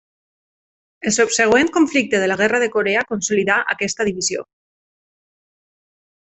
El subsegüent conflicte de la Guerra de Corea consolidà aquesta divisió.